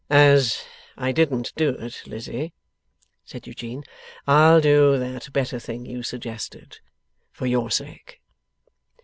'As I didn't do it, Lizzie,' said Eugene, 'I'll do that better thing you suggested for your sake.